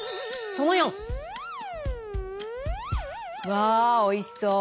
わあおいしそう。